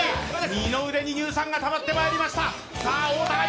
二の腕に乳酸がたまってまいりました。